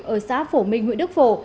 ở xã phổ minh huyện đức phổ